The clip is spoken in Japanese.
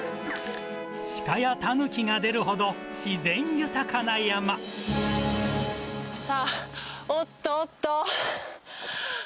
鹿やタヌキが出るほど、さあ、おっとおっと。